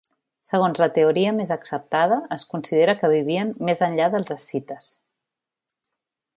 Segons la teoria més acceptada, es considera que vivien més enllà dels escites.